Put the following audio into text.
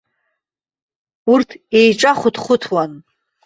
Урҭ еиҿахәыҭхәыҭуан.